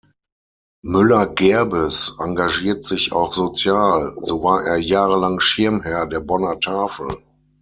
Müller-Gerbes engagiert sich auch sozial; so war er jahrelang Schirmherr der Bonner Tafel.